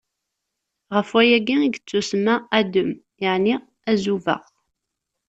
Ɣef wayagi i yettusemma Adum, yeɛni Azubaɣ.